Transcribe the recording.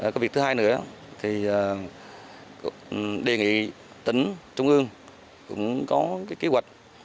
cái việc thứ hai nữa thì đề nghị tỉnh trung ương cũng có cái kế hoạch